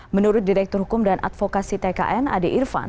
menurut direktur hukum dan advokasi tkn ade irfan